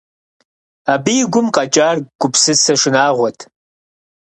Абы и гум къэкӀар гупсысэ шынагъуэт.